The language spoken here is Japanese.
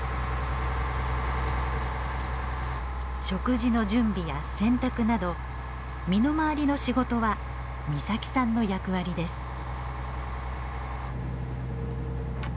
食事の準備や洗濯など身の回りの仕事は岬さんの役割です。